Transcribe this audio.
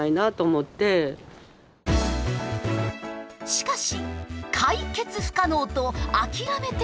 しかし解決不可能と諦めてはいけません。